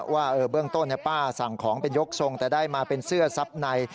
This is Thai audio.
ว่าเบื้องต้นป้าสั่งของเป็นยกทรงแต่ได้มาเป็นเสื้อซับใน